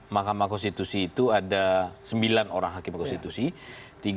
mahkamah konstitusi itu ada sembilan orang hakim konstitusi